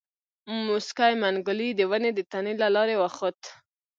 موسکی منګلی د ونې د تنې له لارې وخوت.